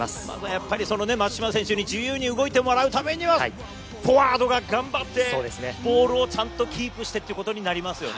やっぱり松島選手に自由に動いてもらうためには、フォワードが頑張って、ボールをちゃんとキープしてっていうことになりますよね。